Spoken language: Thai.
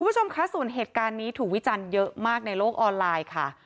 คุณผู้ชมคะส่วนเหตุการณ์นี้ถูกวิจารณ์เยอะมากในโลกออนไลน์ค่ะ